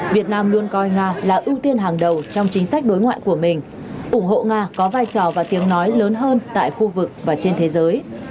việt nam luôn coi nga là ưu tiên hàng đầu trong chính sách đối ngoại của mình ủng hộ nga có vai trò và tiếng nói lớn hơn tại khu vực và trên thế giới